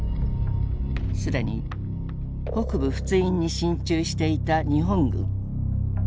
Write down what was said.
既に北部仏印に進駐していた日本軍。